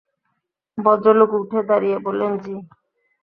ভদ্রলোক উঠে দাঁড়িয়ে বললেন, জ্বি।